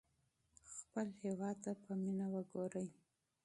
خپل هېواد ته په مینه وګورئ.